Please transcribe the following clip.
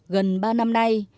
gần ba năm nay